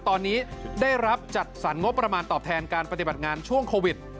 ตอนนี้ได้รับจัดสรรงบประมาณตอบแทนการปฏิบัติงานช่วงโควิด